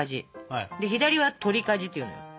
左は取りかじっていうのよ。